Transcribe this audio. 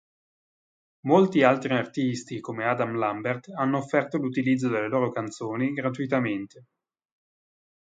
Molti altri artisti, come Adam Lambert, hanno offerto l'utilizzo delle loro canzoni gratuitamente.